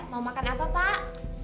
mau makan apa pak